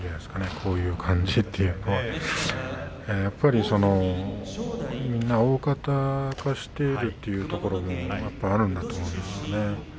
こういう感じというのはやっぱりみんな大型化しているというところもあるんだと思うんです。